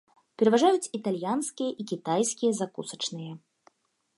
Пераважаюць італьянскія і кітайскія закусачныя.